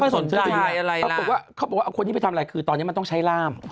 ไม่ค่อยสนใจอะไรล่ะเขาบอกว่าเอาคนนี้ไปทำอะไรคือตอนนี้มันต้องใช้ล่าม